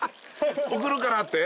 送るからって？